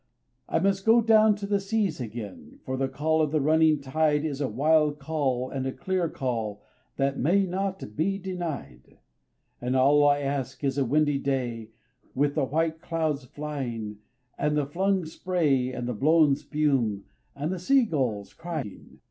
I must go down to the seas again, for the call of the running tide Is a wild call and a clear call that may not be denied; And all I ask is a windy day with the white clouds flying, And the flung spray and the blown spume, and the sea gulls crying.